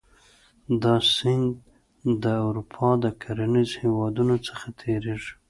دا سیند د اروپا د کرنیزو هېوادونو څخه تیریږي.